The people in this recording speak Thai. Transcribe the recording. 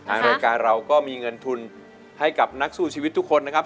ทางรายการเราก็มีเงินทุนให้กับนักสู้ชีวิตทุกคนนะครับ